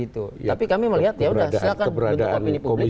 tapi kami melihat ya sudah silahkan bentuk opini publik